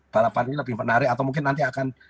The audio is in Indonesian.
balapan ini lebih menarik atau mungkin nanti akan